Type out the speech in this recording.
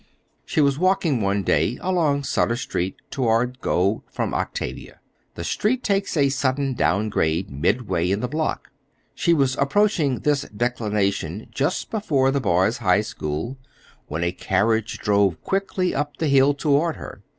She was walking one day along Sutter Street toward Gough from Octavia. The street takes a sudden down grade midway in the block. She was approaching this declension just before the Boys' High School when a carriage drove quickly up the hill toward her.